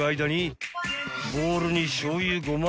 ［ボウルにしょう油ごま